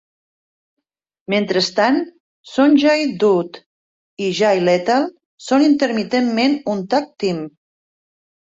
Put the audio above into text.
Mentrestant, Sonjay Dutt i Jay Lethal són intermitentment un tag-team.